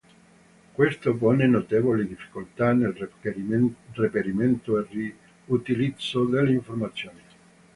Questo pone notevoli difficoltà nel reperimento e riutilizzo delle informazioni.